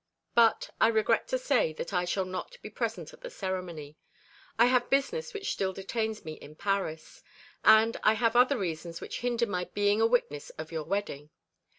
But I regret to say that I shall not be present at the ceremony. I have business which still detains me in Paris; and I have other reasons which hinder my being a witness of your wedding.